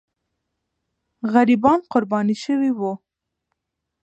غریبان قرباني سوي وو.